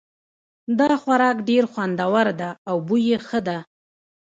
دا خوراک ډېر خوندور ده او بوی یې ښه ده